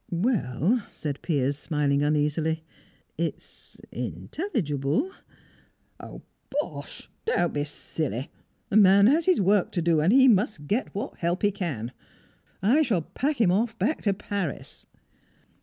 "Well," said Piers, smiling uneasily, "it's intelligible." "Bosh! Don't be silly! A man has his work to do, and he must get what help he can. I shall pack him off back to Paris."